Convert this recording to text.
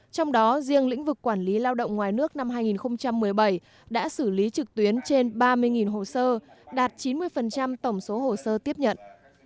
trong đó riêng lĩnh vực quản lý lao động ngoài nước năm hai nghìn một mươi bảy đã xử lý trực tuyến trên ba mươi hồ sơ đạt chín mươi tổng số hồ sơ tiếp nhận